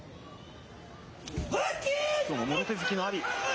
きょうももろ手突きの阿炎。